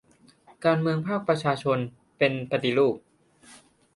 การเมืองภาคประชาชนเป็น 'ปฏิรูป'